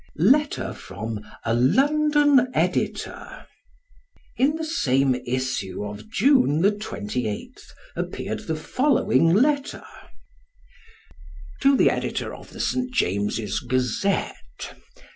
LETTER FROM "A LONDON EDITOR." In the same issue of June 28th appeared the following letter: To the Editor of the St. James's Gazette.